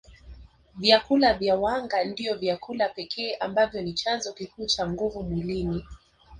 Vyakula vya wanga ndio vyakula pekee ambavyo ni chanzo kikuu cha nguvu mwilini